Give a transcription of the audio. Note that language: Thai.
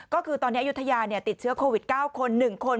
ก็คือตอนนี้อายุทยาติดเชื้อโควิด๙คน๑คน